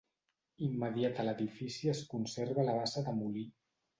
Immediata a l'edifici es conserva la bassa del molí.